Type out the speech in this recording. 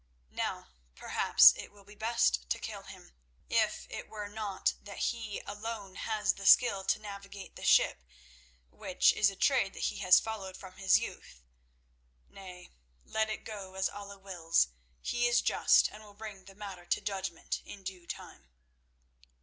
Now, perhaps, it will be best to kill him, if it were not that he alone has the skill to navigate the ship, which is a trade that he has followed from his youth. Nay, let it go as Allah wills. He is just, and will bring the matter to judgment in due time."